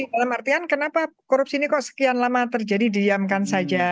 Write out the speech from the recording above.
dalam artian kenapa korupsi ini kok sekian lama terjadi diamkan saja